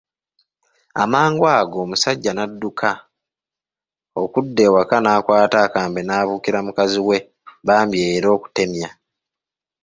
Amangu ago omusaijja n'adduka okudda ewaka n'akwata akambe n'abuukira mukazi we bamib era okutemya